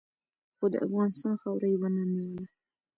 خو د افغانستان خاوره یې و نه نیوله.